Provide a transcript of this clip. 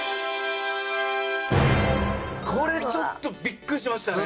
これちょっとビックリしましたね。